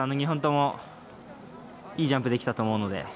２本とも、いいジャンプできたと思うので。